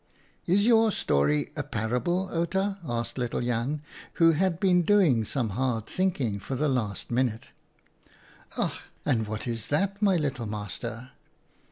" Is your story a parable, Outa ?" asked little Jan, who had been doing some hard thinking for the last minute. "Ach ! and what is that, my little master